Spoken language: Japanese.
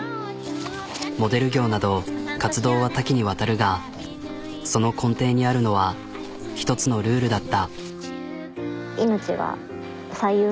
モデル業など活動は多岐にわたるがその根底にあるのは１つのルールだった。